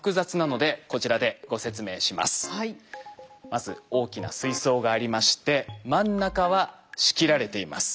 まず大きな水槽がありまして真ん中は仕切られています。